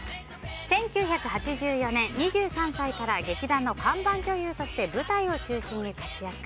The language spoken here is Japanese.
１９８４年、２３歳から劇団の看板女優として舞台を中心に活躍。